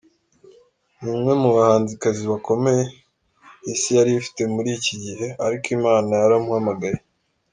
Ni umwe mu bahanzikazi bakomeye isi yari ifite muri iki gihe ariko Imana yaramuhamagaye!!.